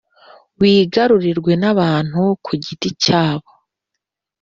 wigarurirwe n’ abantu kugiti cyabo